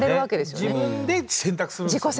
自分で選択するんですよね。